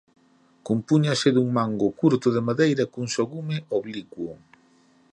Compúñase dun mango curto de madeira cun só gume oblicuo.